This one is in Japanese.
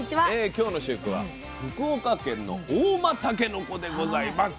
今日の主役は福岡県の合馬たけのこでございます。